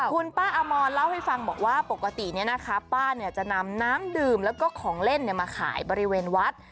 คุณป้าอมรเล่าให้ฟังบอกว่าปกติเนี่ยนะคะป้าจะนำน้ำดื่มแล้วก็ของเล่นมาขายบริเวณวัด